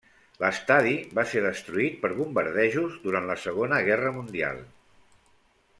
L'estadi va ser destruït per bombardejos durant la Segona Guerra Mundial.